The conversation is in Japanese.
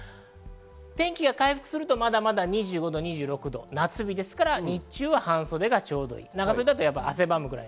天気が回復するとまだまだ２５度、２６度、夏日ですから日中は半袖でちょうどいいです。